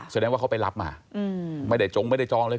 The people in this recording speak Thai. แสดงว่าเขาไปรับมาไม่ได้จงไม่ได้จองเลย